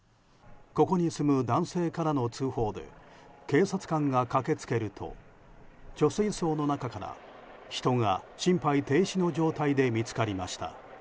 ここに住む男性からの通報で警察官が駆け付けると貯水槽の中から、人が心肺停止の状態で見つかりました。